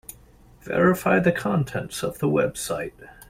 Verify the contents of the website.